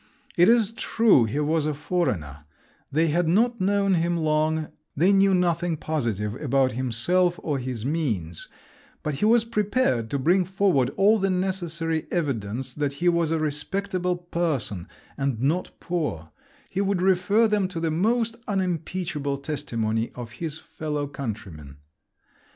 It is true he was a foreigner; they had not known him long, they knew nothing positive about himself or his means; but he was prepared to bring forward all the necessary evidence that he was a respectable person and not poor; he would refer them to the most unimpeachable testimony of his fellow countrymen!